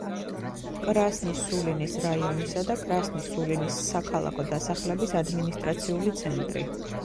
კრასნი-სულინის რაიონისა და კრასნი-სულინის საქალაქო დასახლების ადმინისტრაციული ცენტრი.